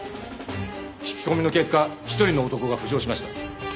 聞き込みの結果一人の男が浮上しました。